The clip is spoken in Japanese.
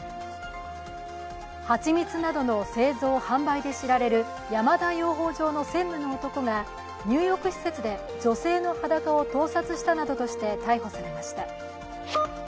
蜂蜜などの製造・販売で知られる山田養蜂場の専務の男が、入浴施設で女性の裸を盗撮したなどとして逮捕されました。